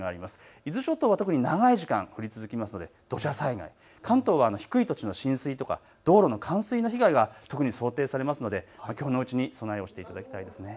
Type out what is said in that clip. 伊豆諸島は特に長い時間降り続くので土砂災害、関東は低い土地の浸水とか道路の冠水の被害が特に想定されるので、きょうのうちに備えを進めていただきたいと思います。